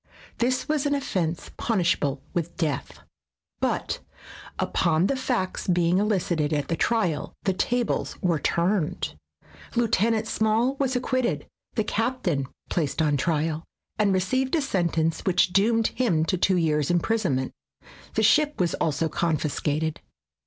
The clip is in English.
This was an offense punishable with death, but upon the facts being elicited at the trial the tables w^ere turned. Lieutenant Small was ac quitted, the captain placed on trial, and received a sentence which doomed him to two years' imprisonment. The ship was also confiscated.